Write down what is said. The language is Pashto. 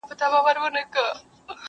مامي سړو وینو ته اور غوښتی٫